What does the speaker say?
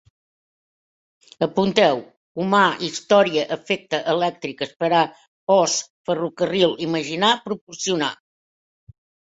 Apunteu: humà, història, efecte, elèctrica, esperar, os, ferrocarril, imaginar, proporcionar